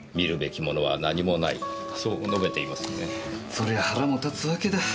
そりゃ腹も立つわけだ。